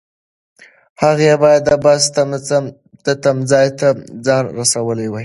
هغې باید د بس تمځای ته ځان رسولی وای.